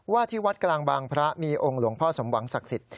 ที่วัดกลางบางพระมีองค์หลวงพ่อสมหวังศักดิ์สิทธิ